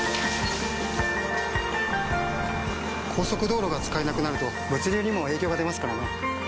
速道路が使えなくなると物流にも影響が出ますからね。